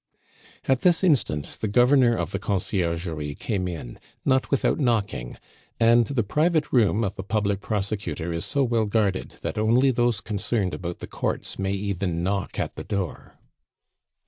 At this instant the governor of the Conciergerie came in, not without knocking; and the private room of a public prosecutor is so well guarded, that only those concerned about the courts may even knock at the door.